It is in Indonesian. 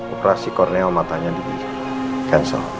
operasi korneo matanya di cancel